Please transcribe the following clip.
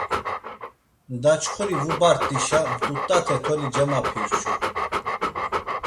Daçxuri vubart̆işa mt̆ut̆ate toli cemapirçu.